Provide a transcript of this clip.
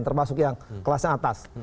termasuk yang kelasnya atas